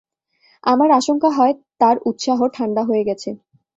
আমার আশঙ্কা হয়, তার উৎসাহ ঠাণ্ডা হয়ে গেছে।